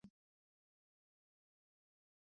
د چایو تر غوړپ وروسته یې ماته مخ راواړوه.